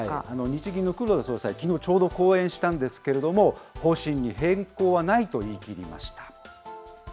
日銀の黒田総裁、きのう、ちょうど講演したんですけれども、方針に変更はないと言い切りました。